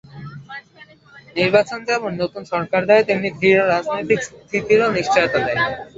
নির্বাচন যেমন নতুন সরকার দেয়, তেমনি দৃঢ় রাজনৈতিক স্থিতিরও নিশ্চয়তা দেয়।